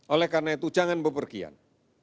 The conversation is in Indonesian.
oleh karena itu jangan bepergian